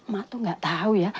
mak tuh gak tahu ya